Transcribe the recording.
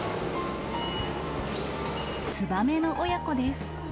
ツバメの親子です。